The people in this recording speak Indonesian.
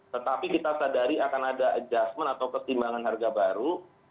tetapi kita sadari akan ada adjustment atau kestimbangan harga baru